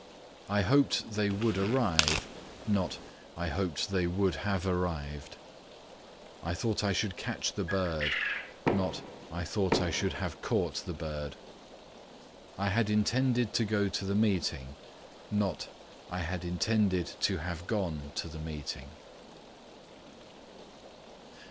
"I hoped they would arrive," not "I hoped they would have arrived." "I thought I should catch the bird," not "I thought I should have caught the bird." "I had intended to go to the meeting," not "I had intended to have gone to the meeting."